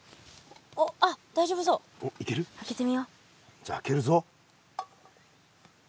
じゃ開けるぞ。